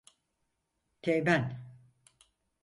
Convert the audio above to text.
Teğmen.